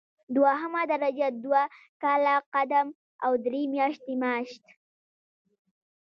دوهمه درجه دوه کاله قدم او درې میاشتې معاش.